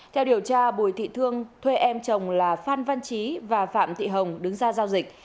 theo điều tra bùi thị thương thuê em chồng là phan văn trí và phạm thị hồng đứng ra giao dịch